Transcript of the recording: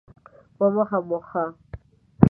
په مخه مو ښه